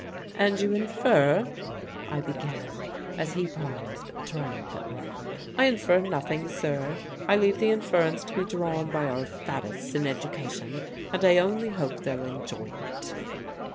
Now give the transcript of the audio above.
"And you infer " I began as he paused triumphantly. "I infer nothing, sir. I leave the inference to be drawn by our faddists in education, and I only hope they'll enjoy it."